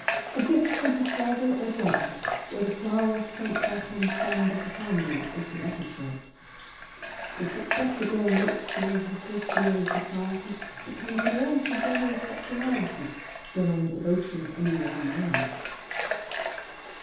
A gift from her father or brother or the flowers sent by some friend of the family is the better choice. The success a girl makes during her first year in society depends more on her general popularity than on the devotion of any one man.